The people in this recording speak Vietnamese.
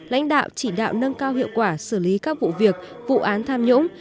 lãnh đạo chỉ đạo nâng cao hiệu quả xử lý các vụ việc vụ án tham nhũng